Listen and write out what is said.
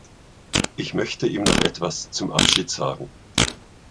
Ich möchte ihm noch etwas zum Abschied sagen.